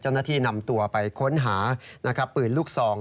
เจ้าหน้าที่นำตัวไปค้นหาปืนลูกซอง